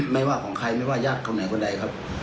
ไม่ว่าของใครไม่ว่ายากเขาไหนกว่าใดครับ